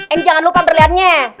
eh jangan lupa berliannya